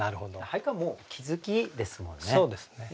俳句はもう気付きですもんね。